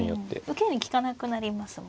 受けに利かなくなりますもんね。